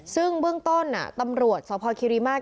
ซึ่งเบื้องต้นตำรวจสพคิริมาตร